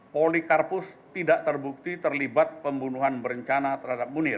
polikarpus tidak terbukti terlibat pembunuhan berencana terhadap munir